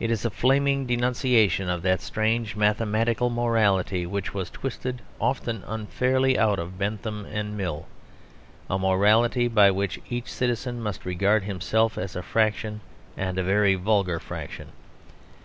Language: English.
It is a flaming denunciation of that strange mathematical morality which was twisted often unfairly out of Bentham and Mill: a morality by which each citizen must regard himself as a fraction, and a very vulgar fraction.